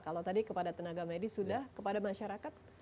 kalau tadi kepada tenaga medis sudah kepada masyarakat